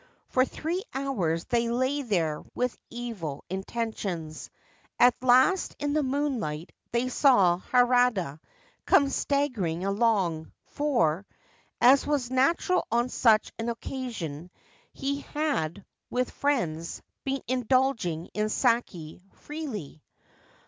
For three hours they lay there with evil intentions. At last in the moonlight they saw Harada come stagger ing along, for, as was natural on such an occasion, he had, with friends, been indulging in sake freely.